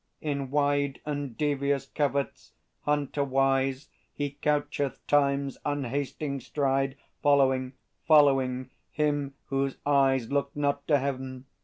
In wide And devious coverts, hunter wise, He coucheth Time's unhasting stride, Following, following, him whose eyes Look not to Heaven.